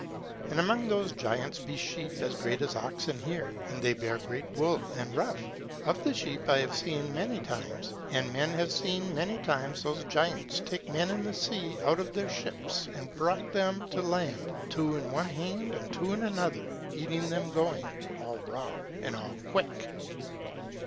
And among those giants be sheep as great as oxen here, and they bear great wool and rough. Of the sheep I have seen many times. And men have seen, many times, those giants take men in the sea out of their ships, and brought them to land, two in one hand and two in another, eating them going, all raw and all quick.